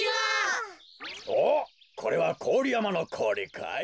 おっこれはこおりやまのこおりかい？